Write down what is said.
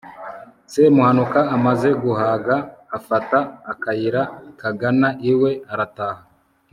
semuhanuka amaze guhaga afata akayira kagana iwe arataha